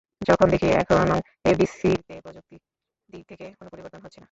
যখন দেখি এখনো এফডিসিতে প্রযুক্তির দিক থেকে কোনো পরিবর্তন হচ্ছে না।